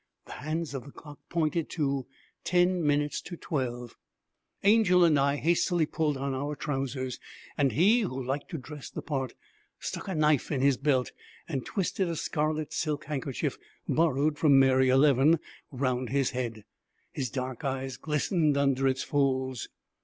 The hands of the clock pointed to ten minutes to twelve. Angel and I hastily pulled on our trousers; and he, who liked to dress the part, stuck a knife in his belt and twisted a scarlet silk handkerchief (borrowed from Mary Ellen) round his head. His dark eyes glistened under its folds.